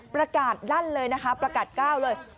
ประกาศดั้นเลยนะคะประกาศกล้าวเลย